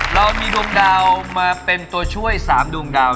เรามีดวงดาวมาเป็นตัวช่วย๓ดวงดาว